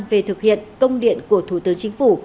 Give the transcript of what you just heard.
về thực hiện công điện của thủ tướng chính phủ